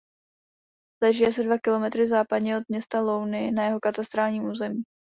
Leží asi dva kilometry západně od města Louny na jeho katastrálním území.